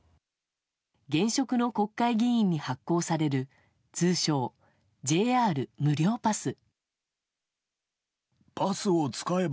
現職の国会議員に発行される通称ＪＲ無料バス。